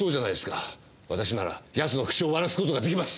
私なら奴の口を割らす事が出来ます。